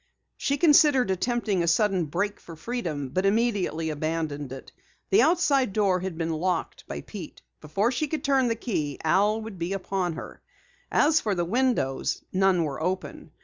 She considered attempting a sudden break for freedom, but immediately abandoned it. The outside door had been locked by Pete. Before she could turn the key, Al would be upon her. As for the windows, none were open.